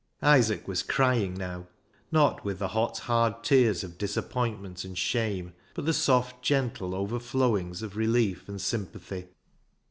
Isaac was crying now. Not with the hot, hard tears of disappointment and shame, but the soft, gentle overflowings of relief and sym pathy.